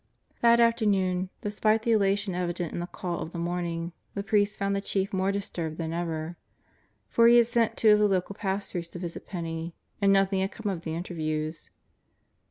That afternoon, despite the elation evident in the call of the morning, the priest found the Chief more disturbed than ever. For he had sent two of the local pastors to visit Penney and nothing had come of the interviews.